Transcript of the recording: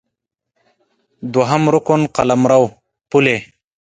دوهم رکن قلمرو ، پولې